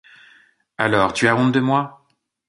Alors, tu as honte de moi ?